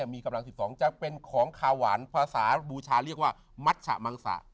มีกำลัง๑๒จะเป็นของคาหวานภาษาบูชาเรียกว่ามัชชะมังสะ